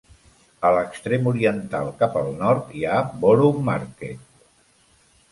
A l'extrem oriental cap al nord hi ha Borough Market.